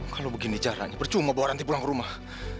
kalau begini caranya percuma bawa nanti pulang ke rumah